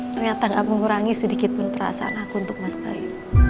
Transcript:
ternyata gak mengurangi sedikit pun perasaan aku untuk mas bayu